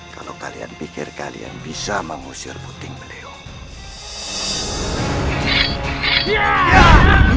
kalau kalian pikir kalian bisa mengusir puting beliung